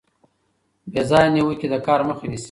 بې ځایه نیوکې د کار مخه نیسي.